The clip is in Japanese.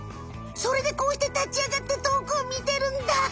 それでこうして立ちあがってとおくを見てるんだ。